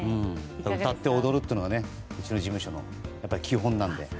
歌って踊るというのはうちの事務所の基本なので。